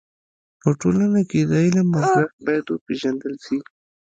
په ټولنه کي د علم ارزښت بايد و پيژندل سي.